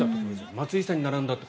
松井さんに並んだという。